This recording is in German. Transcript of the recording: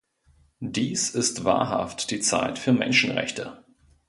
Dies ist wahrhaft die Zeit für Menschenrechte.